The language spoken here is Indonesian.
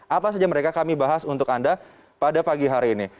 apa saja mereka kami bahas untuk anda pada pagi hari ini